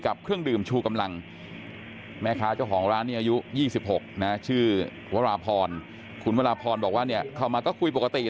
แต่มีเงินนะครับ